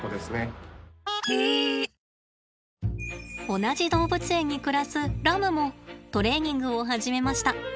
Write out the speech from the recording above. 同じ動物園に暮らすラムもトレーニングを始めました。